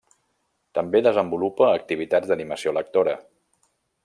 També desenvolupa activitats d'animació lectora.